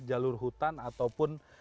jalur hutan ataupun